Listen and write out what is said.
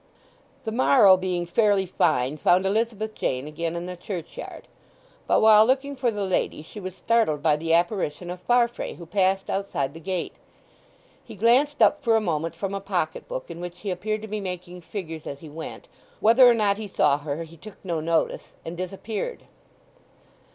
The morrow, being fairly fine, found Elizabeth Jane again in the churchyard, but while looking for the lady she was startled by the apparition of Farfrae, who passed outside the gate. He glanced up for a moment from a pocket book in which he appeared to be making figures as he went; whether or not he saw her he took no notice, and disappeared.